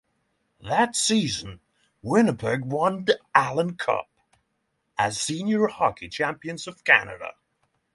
That season Winnipeg won the Allan Cup as senior hockey champions of Canada.